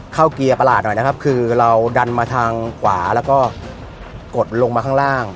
เกียร์ประหลาดหน่อยนะครับคือเราดันมาทางขวาแล้วก็กดลงมาข้างล่าง